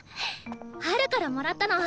ハルからもらったの。